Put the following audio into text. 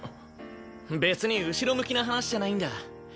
別に後ろ向きな話じゃないんだ。